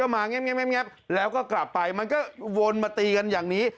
มาแง้มแล้วก็กลับไปมันก็วนมาตีกันอย่างนี้